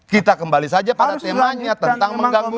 kita kembali saja pada temanya tentang mengganggu